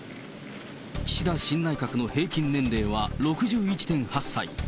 岸田新内閣の平均年齢は６１．８歳。